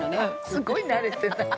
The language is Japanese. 「すごい慣れてない」